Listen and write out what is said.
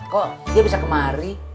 kok dia bisa kemari